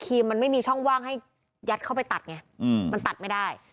มันไม่มีช่องว่างให้ยัดเข้าไปตัดไงมันตัดไม่ได้